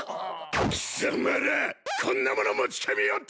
貴様らこんなもの持ち込みおって！